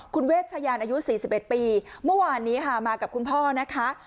คุณเวชชะยานอายุสี่สิบเอ็ดปีเมื่อวานนี้ค่ะมากับคุณพ่อนะคะ